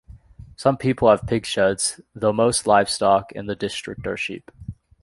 Some people have pig sheds, though most livestock in the district are sheep.